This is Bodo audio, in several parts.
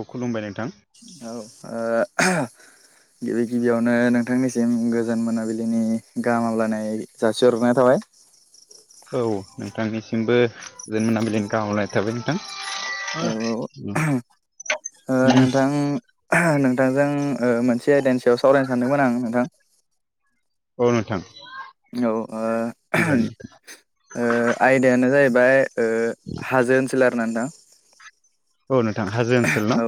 औ खुलुमबाय नोंथां। औ ओ गिबि-गिबियावनो नोंथांनिसिम गोजोन मोनाबिलिनि गाहाम हामलायनाय जासिहरनाय थाबाय। औ नोंथांनिसिमबो गोजोन मोनाबिलिनि गाहाम हामग्लायनाय थाबाय औ औ नोंथां। ओ नोंथां, नोंथांजों ओ मोनसे आयदानि सायाव सावरायनो सानदोंमोन आं नोंथां। औ नोंथां। औ आयदायानो जाहैबाय' ओ हाजो ओनसोल आरो ना नोंथां। औ नोंथां हाजो ओनसोल न औ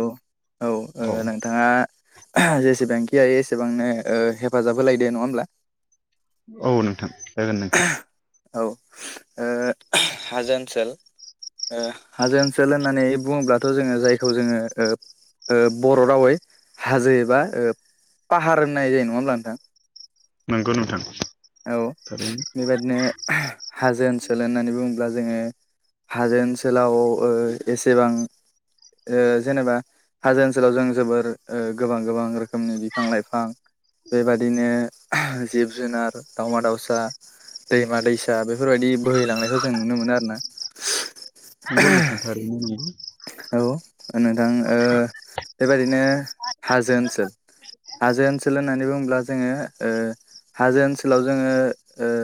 औ। नोंथाङा जेसेबांखि हायो एसेबांनो ओ हेफाजाब होलायदो नङा होमबा। औ नोंथां जागोन नोंथां। औ ओ हाजो ओनसोल। ओ हाजो ओनसोल होननानै बुङोब्लाथ' जोङो जायखौ जोङो ओ ओ बर' रावै हाजो एबा ओ पाहार होननाय जायो नङा होमब्ला नोंथां। नंगौ नोंथां। औ थारैनो बेबायादिनो हाजो ओनसोल होननानै बुङोब्ला जोङो हाजो ओनसोलाव ओ एसेबां ओ जेनेबा हाजो ओनसोलाव जों जोबोर ओ गोबां गोबां रोखो रोखोमनि बिफां-लाइफां बेबादिनो जिब-जुनार दाावमा-दाउसा दैमा-दैसा बेफोरबायदि बोहैलांनायखौ जों नुनो मोनो आरो ना। नोंगौ नोथां थारैनो नोंगौ। औ नोंथां ओ बेबायादिनो हाजो ओनसोल हाजो ओनसोल होननानै बुङोब्ला जोङो ओ हाजो ओनसोलाव जोङो ओ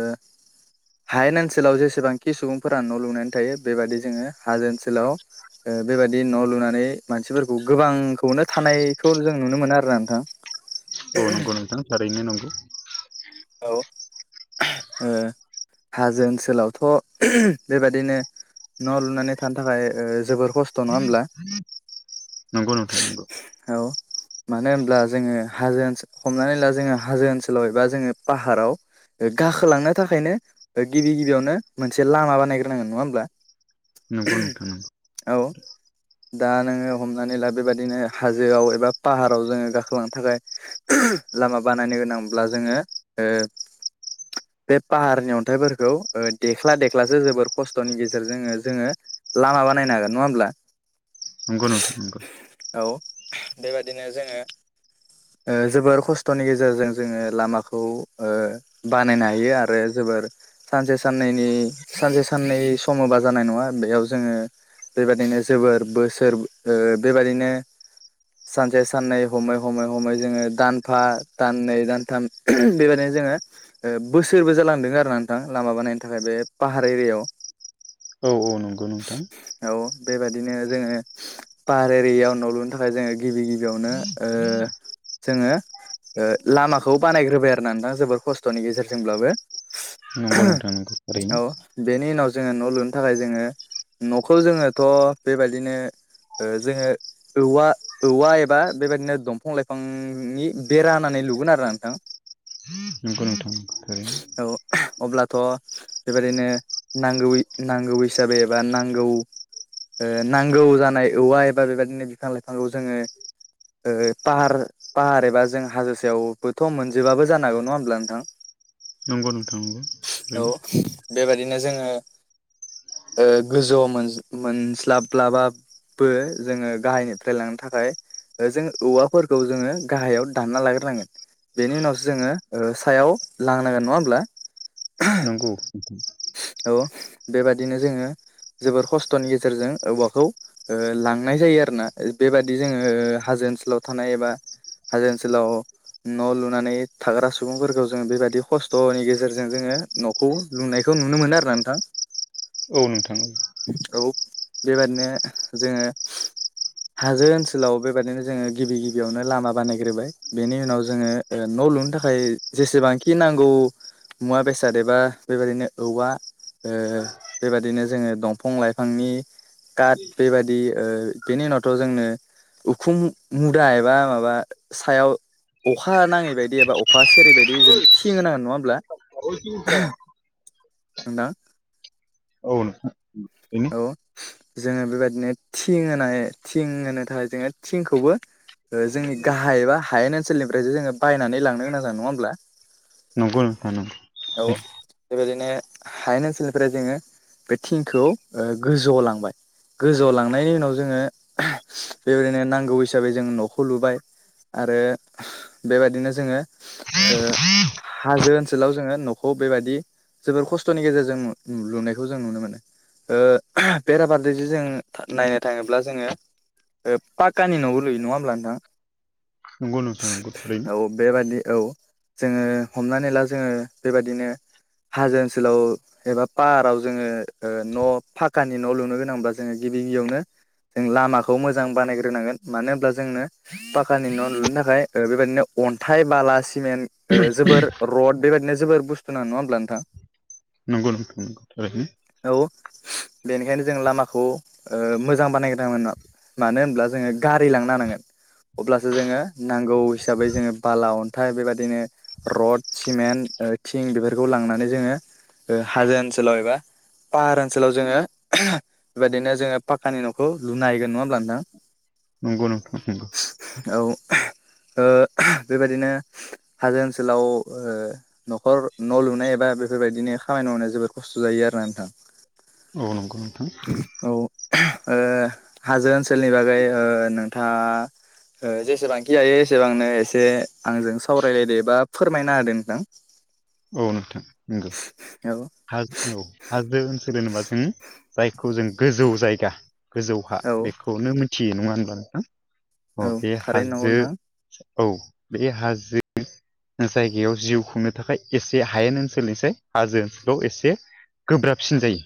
हायेन ओनसोलाव जेसेबांखि सुबुंफोरा न' लुनानै थायो बेबायदि जोङो हाजो ओनसोलाव ओ बेबायदि न' लुनानै मानसिफोरखौ गोबांखौनो थानायखौ जों नुनो मोनो आरो ना नोंथां। औ नंगौ [inaudible] नोंथां थारैनो नंगौ। औ हाजो ओनसोलावथ' बेबादिनो न' लुनानै थानो थाखाय ओ जोबोर खस्थ' नङा होमब्ला नंगौ नोंथां नंगौ। औ मानो होनब्ला जोङो हाजो ओनसोल हमनानै ला जोङो हाजो ओनसोलाव एबा जोङो पाहाराव' गाखोलांनो थाखायनो गिबि गिबियावनो मोनसे लामा बानायग्रोनांगोन नङा होमब्ला नंगौ नोंथां नांगौ। औ। दा नोङो हमनानै ला बेबायदिनो हाजोआव एबा पाहाराव जोङो गाखोलांनो थाखाय लामा बानायनो गोनांब्ला जोङो बे पाहारनि अन्थाइफोरखौ देख्ला देख्लासो जोबोर खस्थ'नि गेजेरजों जोङो लामा बानायनो हागोन नङा होमब्ला नंगौ नंथां नंगौ। औ बेबादिनो जोङो जोबोर खस्थ'नि गेजेरजों जोङो लामाखौ बानायनो हायो आरो जोबोर सानसे साननैनि सानसे साननै समोबा जानाय नङा बेयाव जोङो बेबायादिनो जोबोर बोसोर बेबायादिनो सानसे साननै हमै हमै हमै जोङो दानफा दाननै दानथाम बेबायदि जोङो बोसोरबो जालांदों आरो नोंथां लामा बानायनो थाखाय बे पाहार एरियायाव औ औ नंगौ नोंथां औ बेबायादिनो जोङो पाहार एरियाव न' लुनो थाखाय जोङो गिबि गिबियावनो जोङो लामाखौ बानायग्रोबाय आरो। नानै दां जोबोर खस्थ'नि गेजेरजोंब्लाबो नंगौ नोंथां नंगौ ओरैनो औ। बेनि उनाव जोङो न' लुनो थाखाय जोङो न'खौ जोङोथ' बेबायदिनो जोङो औवा औवा एबा बेबायदिनो दंफां लाइफांनि बेरा होननानै लुगोन आरो नोंथां। नंगौ नोंथां थारैनो बि औ अब्लाथ' बेबायदिनो नांगौ नांगौ हिसाबै एबा नांगौ नांगौ जानाय औवा एबा बेबदिनो बिफां लाइफांखौ जोङो पाहार पाहार एबा जों हाजो सायावबोथ' मोन जोबबाबो जानांगौ नङा होनोमब्ला नोंथां नंगौ नोंथांगौ औ ओरैनो बेबायदिनो जोङो गोजौ मोनस्लाब्लाबा बो जोङो गाहायनिफ्राय लांनो थाखाय जों औवाफोरखौ जोङो गाहायाव दानना लाग्रोनांगोन बेनि उनावसो जोङो सायाव लांनांगोन नङा होमब्ला नंगौ औ बेबादिनो जोङो जोबोर खस्थ'नि गेजेरजों औवाखौ लांनाय जायो आरोना बेबादि जोङो हाजो ओनसोलाव थानाय एबा हाजो ओनसोलाव न' लुनानै थाग्रा सुबुंफोरखौ जों बेबायाददि खस्थ'नि गेजेरजों जोङो न' खौ लुनायखौ नुनो मोनो आरोना नोंथां औ नोंथां औव औ बेबादिनो जोङो हाजो ओनसोलाव बेबदिनो जोङो गिबि गिबियावनो लामा बानायग्रोबाय बेनि उनाव ज जोङो न' लुनो थाखाय जेसेबांखि नांगौ मुवा बेसाद एबा बेबायदिनो औवा ओ बेबादिनो जोङो दंफां लाइफांनि काट बेबादि ओ बेनि उनावथ' जोंनो उखुम मुदा एबा माबा सायाव अखा नाङै बायदि एबा अखा सेरै बायदि जों थिं होनांगोन नङा होमब्ला होना नो बिनि [unintelligible] जोङो बेबायदिनो थिं होनाय थिं होनो थाखाय जोङो थिंखौबो जोंनि गाहाय एबा हायेन ओनसोलनिफ्रायसो जोङो बायनानै लांनो गोनां जादों नङा होमब्ला नंगौ जानांगौ औ बेबायदिनो हायेन ओनसोलनिफ्राय जोङो बे थिंखौ ओ गोजौ लांबाय गोजौआव लांनायनि उनाव जोङो बेबायदिनो नांगौ हिसाबै जोंङ न'खौ लुबाय आरो बेबादिनो जोङो हाजो ओनसोलाव जोङो न'खौ बेबायदि जोबोर खस्थ'नि गेजेरजों लुनायखौ जों नुनो मोनो ओ बेराफारसेजों जों नायनो थाङोब्ला जोङो ओ पाकानि न'बो लुयो नङा होमब्ला नोंथां नंगौ नोंथां औ थारैनो बेबादि औ जोङो हमनानै ला जोङो बेबाददिनो हाजो ओनसोलाव एबा पाराव जोङो ओ न' फाखानि न' लुनो गोनांबा जोङो गिबि गिबियावनो जों लामाखौ मोजां बानायग्रोनांगोन मानो होनब्ला जोंनो पाकानि न' लुनो थाखाय बेबायाददिनो अन्थाइ बाला सिमेन् जोबर रड बेबायदिनो जोबोर बुस्थु ना नङा होमब्ला नोंथां नंगौ नोंथां थारैनो औ बेनिखायनो जों लामाखौ ओ मोजां बानायग्रदोंमोना मानो होनब्ला जोङो गारि लांनो हानांगोन अब्लासो जोङो नांगौ हिसाबै जोङो बाला अन्थाइ बेबायदिनो रड सिमेन्ट थिं बेफोरखौ लांनानै जोङो हाजो ओनसोलाव एबा पाहार ओनसोलाव जोङो [unintelligible] बेबायदिनो जोङो पाकानि न'खौ लुनो हाहैगोन। नङा होमब्ला नोंथां? नंगौ नोंथां नंगौ। औ ओ बेबायाददिनो हाजो ओनसोलाव ओ न'खर न' लुनाय एबा बेफोरबायदिनो खामानि मावनाया जोबोद खस्थ' जायो आरो नोंथां। औ नंगौ नोंथां औ ओ हाजो ओनसोलनि बागै ओ नोंथाङा ओ जे- सेबांखि हायो एसेबांनो एसे आंजों सावरायलायदो एबा फोरमायना होदो नोंथां। औ नोंथां नंगौ। औ हाजो औ हाजो ओनसोल होनोबा जोंङो जायखौ जों गोजौ जायगा। गोजौ हा औ बेखौनो मिथियो। नङा होनब्ला नोंथां? अ औ बे थारैनो नंगौ हाजो औ बे हाजो जायगायाव जिउ खुंनो थाखाय एसे हायेन ओनसोल निसाया हाजो बेयाव एसे गोब्राबसिन जायो।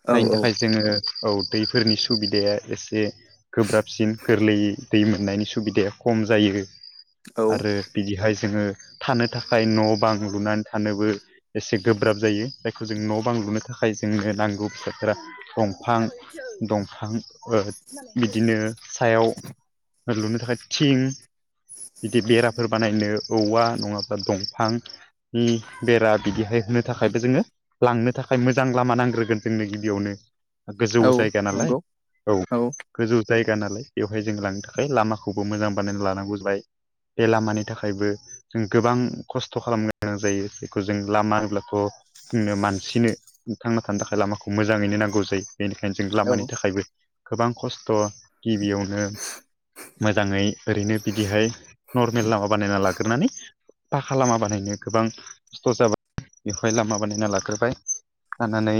नोंथां औ जायनि थाखाय जोङो औ दैफोरनि सुबिदाया एसे गोब्राबसिन गोरलैयै दै मोननायनि सुबिदाया खम जायो औ आरो बिदिहाय जोङो थानो थाखाय न'-बां लुनानै थानोबो एसे गोब्राब जायो। जायखौ जों न' बां लुनो थाखाय जोंनो नांगौ बेसादफोरा दंफां दंफां ओ बिदिनो सायाव लुनो थाखाय थिं बिदि बेराफोर बानायनो औवा नङाब्ला दंफां नि बेरा बिदिहाय होनो थाखायबो जोङो लांनो थाखाय मोजां लामा नांग्रोगोन जोंनो गिबियावनो। गोजौ औ जायगा नालाय नंगौ औ गोजौ जायगा नालाय बेवहाय जों लांनो थाखाय लामाखौबो मोजां बानायना लानांगौ जाबाय। बे लामानि थाखायबो जों गोबां खस्थ' खालामनो गोनां जायो। जेखौ जों लामा होनोब्लाथ' जोंनो मानसिनो थांना थानो थाखाय लामाखौ मोजाङैनो नांगौ जायो। बेनिखायनो जों औ लामानि थाखायबो गोबां खस्थ' गिबियावनो मोजाङै ओरैनो बिदिहाय नर्मेल लामा बानायना लाग्रो- नानै पाखा लामा बानायनो गोबां खस्थ' जाबाय बेवहाय लामा बानायना लाग्रोबाय लानानै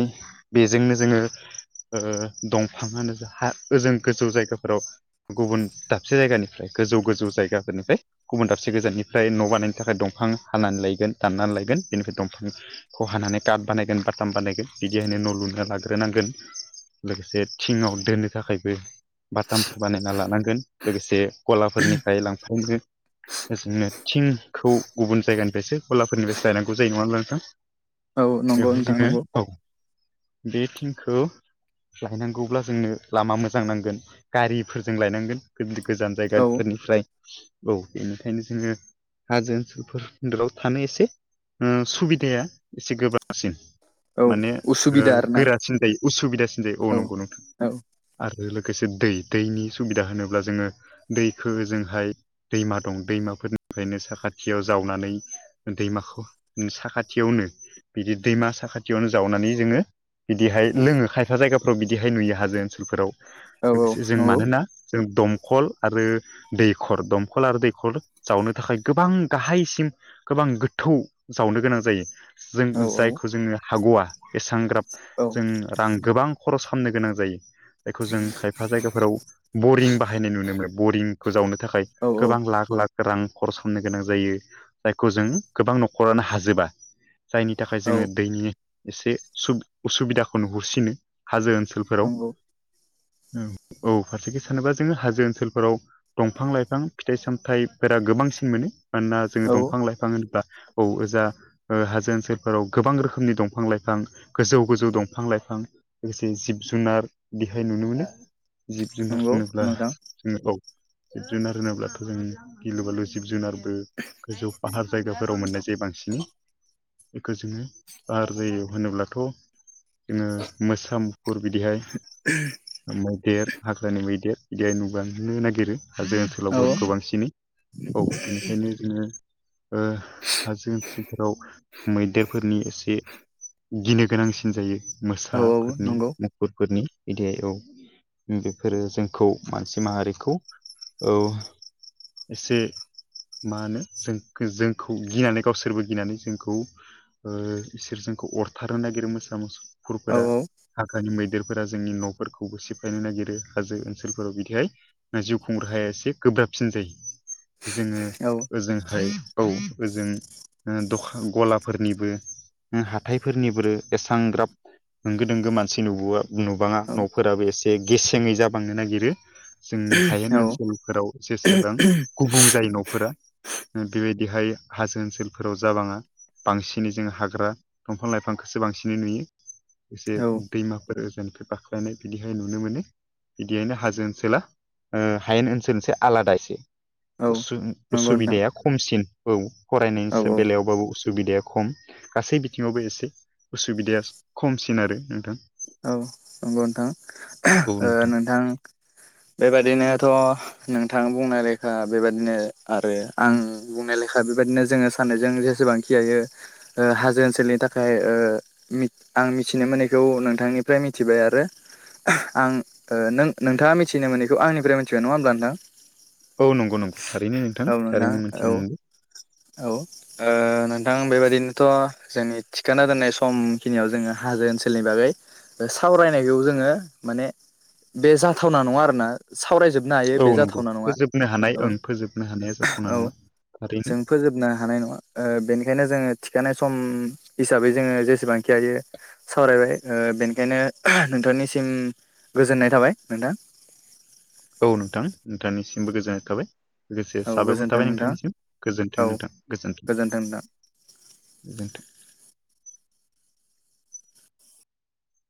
बेजोंनो जोङो ओ दंफाङानो जा हा ओजों गोजौ जायगाफोराव गुबुन दाबसे जायगानिफ्राय गोजौ गोजौ जायगाफोरनिफ्राय गुबुन दाबसे गोजाननिफ्राय न' बानायनो थाखाय दंफां हानानै लायगोन दाननानै लायगोन बेनिफ्राय दंफां खौ हानानै कात बानायगोन बाटाम बानायगोन बिदिहायनो न' लुनो लाग्रोनांगोन लोगोसे थिङाव दोनो थाखायबो बातामफोर बानायना लानांगोन लोगोसे गलाफोरनिफ्राय लांफायनो [unintelligible] थिंखौ गुबुन जायगानिफ्रायसो गलाफोरनिफ्रायसो लायनांगौ जायो। नङा होमबा नोंथां? औ नंगौ बेवहाय नोंथां जोङो नंगौ औ बे थिंखौ लायनांगौब्ला जोंनो लामा मोजां नांगोन गारिफोरजों लायनांगोन। गोजान औ जायगाफोरनिफ्राय औ बेनिखायनो जोङो हाजो ओनसोलफोराव थानो एसे उम सुबिदाया एसे गोब्राबसिन औ माने ओ उसुबिदा आरोना गोरासिन जायो उसुबिदासिन जायो। औ नंगौ नोंथां। औ आरो लोगोसे दै। दैनि सुबिदा होनोब्ला जोङो दैखो ओजोंहाय दैमा दं दैमाफोरनिफ्रायनो साखाथियाव जावनानै दैमाखौ साखाथियावनो बिदि दैमा साखाथियावनो जावनानै जोङो बिदिहाय लोङो खायफा जायगाफ्राव बिदिहाय नुयो हाजो ओनसोलफोराव। औ औ लोगोसे जों नंगौ मानोना जों दमखल आरो दैखर दंखल आरो दैखर हर जावनो थाखाय गोबां गाहायसिम गोबां गोथौ जावनो गोनां जायो जों औ जायखौ जोङो हागौवआ एसां ग्राब औ जों रां गोबां खरस खालामामनो गोनां जायो जायखौ जों खायफा जायगाफोराव बरिं बाहायनाय नुनो मोनो बरिंखौ जावनो थाखाय औ गोबां लाख लाख रां खरस खालामनो गोनां जायो जायखौ जों गोबां न'खरानो हाजोबा जायनि थाखाय औ जोङो दैनि एसे उसुबिदाखौ नुहरसिनो हाजो ओनसोल नंगौ औ फारसेथि सानोबा जोङो हाजो ओनसोलफोराव दंफां लाइफां फिथाइ सामथायाइफोरा गोबांसिन मोनो मानोना जोङो औ दंफां लाइफां होनोब्ला औजा हाजों ओनसोलफोराव गोबां रोखोमनि दंफां लाइफां गोजौ गोजौ दंफां लाइफां लोगोसे जिब जुनार बेहाय नुनो मोनो जिब जुनार नंगौ होनोब्ला नोंथां जोङो औ जिब जुनार होनोब्लाथ' जों गिलु बालु जिब जुनार गोजौ फाहार जायगाफोराव मोननाय जायो बांसिन बेखौ जोङो फाहार जायो होनोब्लाथ' जोङो मोसामुफुर बिदिहाय मैदेर हाग्रानि मैदेर बिदि नुुबांनो नागिरो आरो जों ओनसोलावबो औ गोबांसिनै औ बेनिखायनो जोङो हाजो ओनसोलफोराव मैदेरफोरनि एसे गिनो गोनांसिन जायो औ औ मोसाफोरनि नंगौ गुरफोरनि बिदियाव बेफोरो जोंखौ मानसि माहारिखौ औ एसे मा होनो जों जोंखौ गिनानै गावसोरबो गिनानै जोंखौ खौ इसोर जोंखौ अरथारनो नागिरो मोसा मोसौ औ गुुरफोरा हाग्रानि मैदेर फोरा जोंनि न'फोरखौबो सिफायनो नागिरो हाजो ओनसोलफोराव बिदिहाय जिउखुं राहाया एसे गोब्राबसिन जायो जोङो औ ओजोंहाय औ ओजों दखान गलाफोरनिबो हाथायफोरनिबो एसां ग्राब होंगो दोंगो मानसि नुबो नुबाङा औ न'फोराबो एसे गेसेङै जाबांनो नागिरो जों हायेन औ ओनसोलफोराव जेसेबां गुबुं जायो न'फोरा बेबायदिहाय हाजो ओनसोलफोराव जाबाङा बांसिनै जों हाग्रा दंफां लाइफांखौसो बांसिनै नुयो एसे औ दैमा गोजौनिफ्राय बाख्लायनाय बिदिहाय नुनो मोनो बिदियैनो हाजो ओनसोला हायेन ओनसोलनिसाय आलादा एसे औ नंगौ नोंथां असुबिदाया खमसिन औ औ फरायनायनि बेलायावबाबो असुबिदाया खम गासै बिथिङावबो एसे असुबिदाया खमसिन आरो नोंथां औ नंगौ नोंथां नोंथां बेबादिनोथ' नोंथां बुंनाय लेखा बेबायदिनो आरो आं बुंनाय लेखा बेबायदिनो जोङो साननायजों जेसेबां यो हाजो ओनसोलनि थाखाय आं मिथिनो मोननायखौ नों नोंथांनिफ्राय मिथिबाय आरो आं नों नोंथाङा मिथिनो मोनैखौ आंनिफ्राय मिथिबाय नङा होमब्ला नोंथां औ नंगौं-नंगौ थारैनो नोंथां औ थारैनो औ मिथिनो औ नोंथां बेबायदिनोथ' जोंनि थिखाना दोननाय समखिनियाव जोङो हाजो ओनसोलनि बागै सावरायनायखौ जोङो माने बे जाथावना नङा आरोना सावरायजोबनो हायो औ बे नंगौ जाथावना नङा फोजोबनो हानाय ओं फोजोबनो हानाया जाथावना औ-औ नङा थारैनो जों फोजोबनो हानाय नङा बेनिखायनो जोङो थिखानाय सम हिसाबै जोङो जेसेबांखि हायो सावरायबाय बेनिखायनो नोंथांनिसिम गोजोननाय थाबाय नोंथां औ नोंथां नोंथांनिसिमबो गोजोननाय थाबाय लोगोसे औ साबायखर गोजोन्थों थाबाय नोंथां नोंथांनिसिम औ गोजोन्थों नोंथां गोजोन गोजोन्थों नोंथां। [unintelligible]